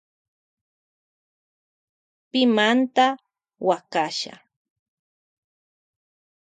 Pimanda huakasha.